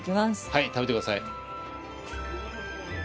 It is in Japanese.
はい食べてください。